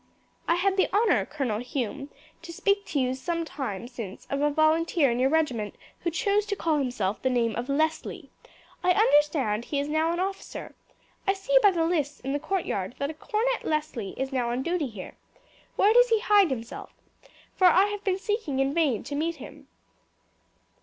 "I had the honour, Colonel Hume, to speak to you some time since of a volunteer in your regiment who chose to call himself the name of Leslie. I understand he is now an officer. I see by the lists in the courtyard that a Cornet Leslie is now on duty here. Where does he hide himself, for I have been seeking in vain to meet him?"